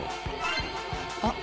あっ！